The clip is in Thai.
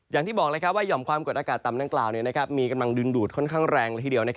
อย่างที่บอกว่าหย่อมความกดอากาศต่ำดังกล่าวมีกำลังดึงดูดค่อนข้างแรงละทีเดียว